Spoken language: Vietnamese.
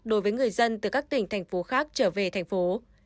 đối với người dân từ các tỉnh thành phố khác trở về thành phố